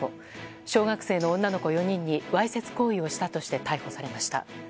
小学生の女の子４人にわいせつ行為をしたとして逮捕されました。